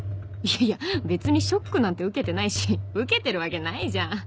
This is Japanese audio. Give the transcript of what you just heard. いやいや別にショックなんて受けてないし受けてるわけないじゃん！